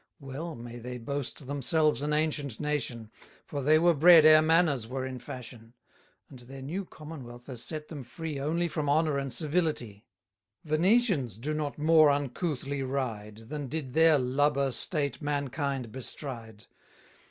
30 Well may they boast themselves an ancient nation; For they were bred ere manners were in fashion: And their new commonwealth has set them free Only from honour and civility. Venetians do not more uncouthly ride, Than did their lubber state mankind bestride.